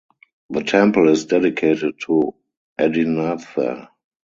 The temple is dedicated to Adinatha.